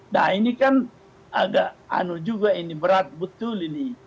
nah ini kan agak anu juga ini berat betul ini